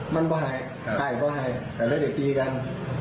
มันก็หายไข่ก็หายแต่เราจะตีกัน